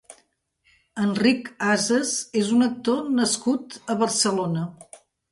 Enric Ases és un actor nascut a Barcelona.